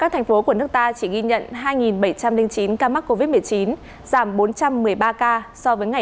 hà nội vẫn dẫn đầu với bảy trăm một mươi một ca